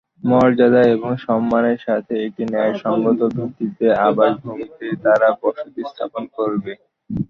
মর্যাদা এবং সম্মানের সাথে একটি ন্যায়সঙ্গত ভিত্তিতে আবাস ভূমিতে তারা বসতি স্থাপন করবে।